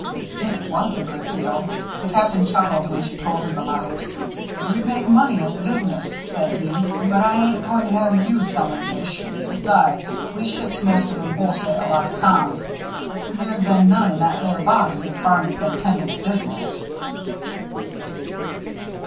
It was a good deal. The Captain chuckled when she told him about it. "You'd make money at the business," said he, "but I ain't going to have you sellin' fish. Besides, we ships most of 'em wholesale, out of town. They'd been none in that there box if Barney'd been tendin' to business."